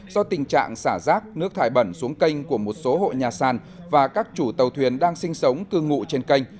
do tình trạng xả rác nước thải bẩn xuống kênh của một số hộ nhà sàn và các chủ tàu thuyền đang sinh sống cư ngụ trên kênh